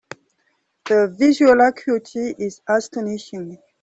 The visual acuity is astonishing.